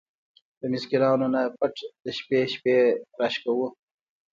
د مسکينانو نه پټ د شپې شپې را شکوو!!.